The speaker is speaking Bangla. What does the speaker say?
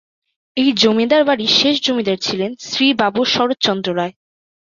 এই জমিদার বাড়ির শেষ জমিদার ছিলেন শ্রী বাবু শরৎচন্দ্র রায়।